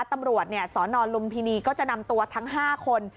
ตำรวจสนลุมพินีก็จะนำตัวทั้ง๕คน